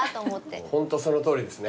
ホントそのとおりですね。